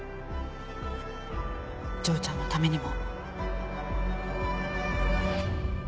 丈ちゃんのためにも。